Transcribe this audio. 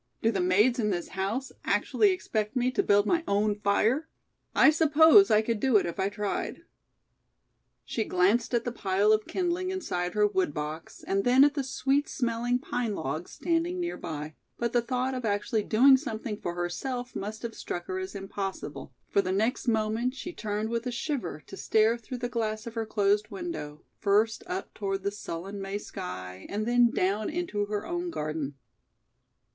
Do the maids in this house actually expect me to build my own fire? I suppose I could do it if I tried." She glanced at the pile of kindling inside her wood box and then at the sweet smelling pine logs standing nearby, but the thought of actually doing something for herself must have struck her as impossible, for the next moment she turned with a shiver to stare through the glass of her closed window, first up toward the sullen May sky and then down into her own garden.